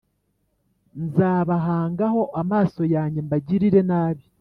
Nzabahangaho amaso yanjye mbagirire nabi